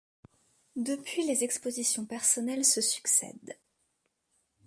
Depuis, les expositions personnelles se succèdent.